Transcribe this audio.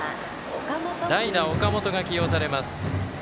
代打、岡元が起用されます。